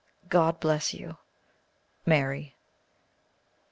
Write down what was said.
God bless you! MARY